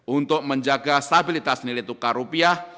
untuk menjaga stabilitas nilai tukar rupiah